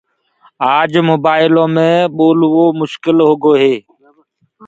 آج موبآئلو مي ٻولوو ڀوت مشڪل هوگو هي